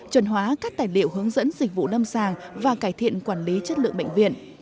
chuẩn hóa các tài liệu hướng dẫn dịch vụ lâm sàng và cải thiện quản lý chất lượng bệnh viện